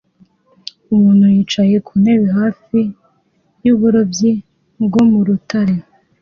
Umuntu yicaye ku ntebe hafi yuburobyi bwo mu rutare